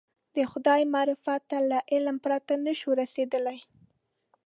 د خدای معرفت ته له علم پرته نه شو رسېدلی.